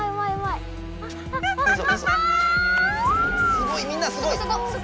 すごいみんなすごい。